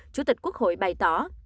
chủ tịch quốc hội bày tỏ